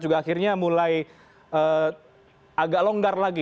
juga akhirnya mulai agak longgar lagi